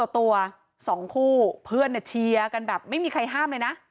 ตัว๒คู่เพื่อนเชียร์กันแบบไม่มีใครห้ามเลยนะ